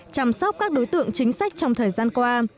chăm sóc các đối tượng chính sách trong thời gian qua